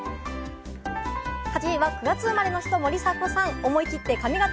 ８位は９月生まれの方、森迫さん。